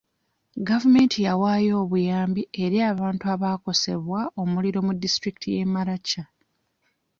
Gavumenti yawaayo obuyambi eri abantu abaakosebwa omuliro mu disitulikiti y'e Maracha.